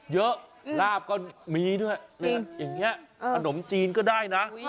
เยอะลาบก็มีด้วยอาหนมจีนก็ได้นะ